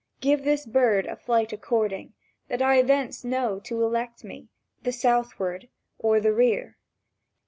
Give this bird a flight according, that I thence know to elect me The southward or the rear."